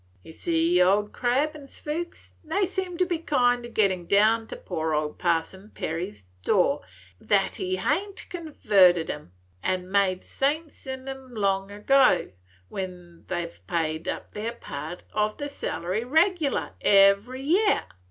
Ye see, Old Crab and Sphyxy, they seem to be kind o' settin' it down to poor old Parson Perry's door that he hain't converted 'em, an' made saints on 'em long ago, when they 've paid up their part o' the salary reg'lar, every year.